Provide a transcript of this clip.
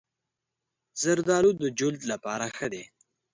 زردالو د جلد لپاره ښه دی.